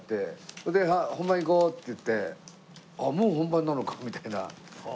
それで「はい本番いこう」って言ってあっもう本番なのかみたいな。